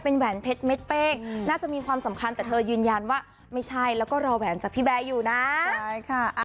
เป็นความฝันของผมตั้งแต่สักพักแล้วค่ะ